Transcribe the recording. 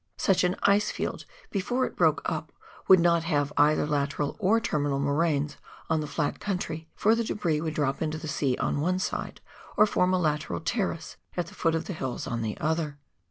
Such an ice field before it broke up would not have either lateral or terminal moraines on the flat country, for the debris would drop into the sea on one side, or form a lateral terrace at the foot of the hills on the other.